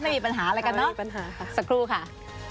ไม่มีปัญหาอะไรกันเนอะสักครู่ค่ะ